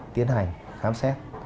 tiến hành khám xét